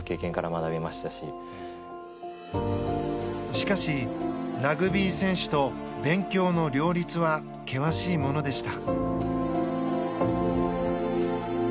しかし、ラグビー選手と勉強の両立は険しいものでした。